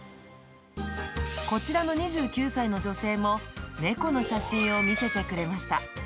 こちらの２９歳の女性も、猫の写真を見せてくれました。